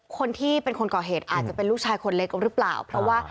คนที่เป็นคนก่อเหตุอาจจะเป็นลูกชายคนเล็กหรือเปล่าเพราะว่า